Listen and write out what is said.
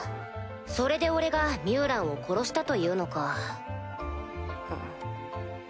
それで俺がミュウランを殺したというのか。